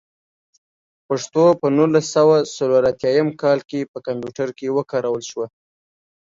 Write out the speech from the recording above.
پښتو په نولس سوه څلور اتيايم کال کې په کمپيوټر کې وکارول شوه.